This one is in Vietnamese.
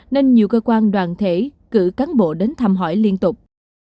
nên nhiều cơ quan đoàn thể cử cán bộ đến thăm hỏi liên tục